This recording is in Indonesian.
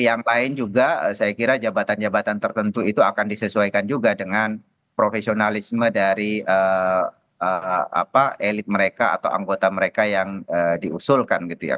yang lain juga saya kira jabatan jabatan tertentu itu akan disesuaikan juga dengan profesionalisme dari elit mereka atau anggota mereka yang diusulkan gitu ya